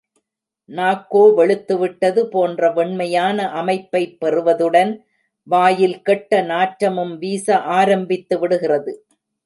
நாக்கோ வெளுத்து விட்டது போன்ற வெண்மையான அமைப்பை பெறுவதுடன், வாயில் கெட்ட நாற்றமும் வீச ஆரம்பித்து விடுகிறது.